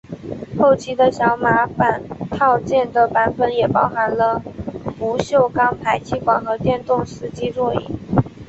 后期的小马版套件的版本也包含了不锈钢排气管和电动司机座椅。